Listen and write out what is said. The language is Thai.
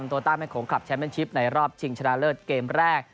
ตัวต้าแม่โขงคลับแชมเป็นชิปในรอบชิงชนะเลิศเกมแรก